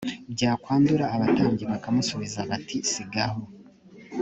byakwandura abatambyi baramusubiza bati sigaho